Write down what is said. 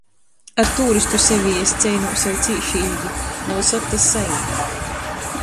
Ar turistu sevī es ceinūs jau cīši ilgi, na vysod tys saīt.